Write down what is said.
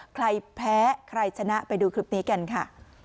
ใครแพ้ใครชนะไปดูคลิปนี้กันค่ะ